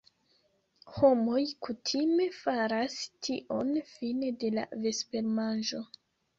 Homoj kutime faras tion fine de la vespermanĝo.